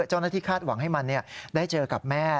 เจ้าหน้าที่คาดหวังให้มันได้เจอกับแม่